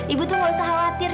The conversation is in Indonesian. ibu tuh gak usah khawatir